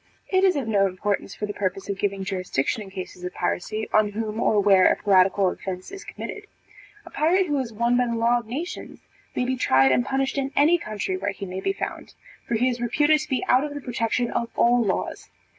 It is of no importance, for the purpose of giving jurisdiction in cases of piracy, on whom or where a piratical offence is committed. A pirate who is one by the law of nations, may be tried and punished in any country where he may be found; for he is reputed to be out of the protection of all laws.